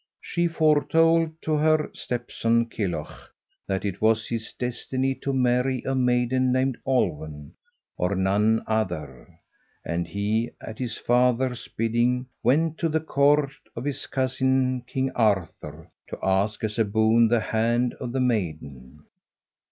She foretold to her stepson, Kilhuch, that it was his destiny to marry a maiden named Olwen, or none other, and he, at his father's bidding, went to the court of his cousin, King Arthur, to ask as a boon the hand of the maiden.